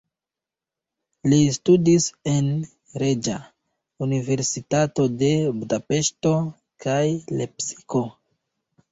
Li studis en Reĝa Universitato de Budapeŝto kaj Lepsiko.